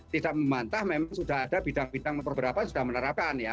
tidak membantah memang sudah ada bidang bidang beberapa sudah menerapkan ya